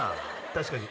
確かに！